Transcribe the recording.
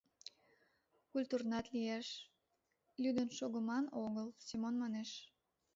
— Культурнат лиеш, лӱдын шогыман огыл, — Семон манеш.